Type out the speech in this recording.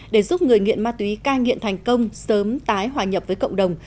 để giúp người nghiện ma túy cai nghiện thành công sớm tái hòa nhập với cộng đồng